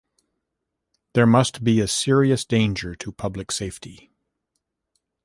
There must be a serious danger to public safety.